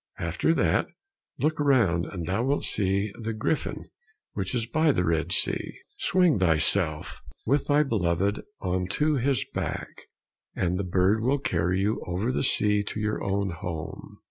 After that, look round and thou wilt see the griffin which is by the Red Sea; swing thyself, with thy beloved, on to his back, and the bird will carry you over the sea to your own home.